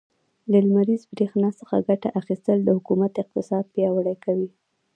له لمريزې برښنا څخه ګټه اخيستل, د حکومت اقتصاد پياوړی کوي.